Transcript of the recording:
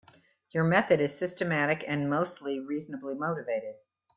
Your method is systematic and mostly reasonably motivated.